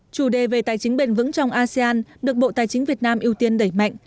chủ đề về tài chính bền vững trong asean được bộ tài chính việt nam ưu tiên đẩy mạnh